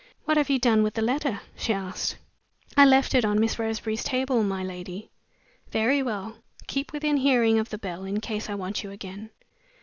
"What have you done with the letter?" she asked. "I left it on Miss Roseberry's table, my lady." "Very well. Keep within hearing of the bell, in case I want you again."